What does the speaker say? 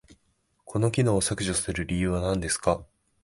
この機能を削除する理由は何ですか？